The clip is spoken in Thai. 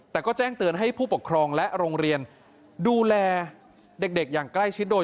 แต่ก็แจ้งเตือนให้ผู้ปกครองและโรงเรียนดูแลเด็กอย่างใกล้ชิดโดย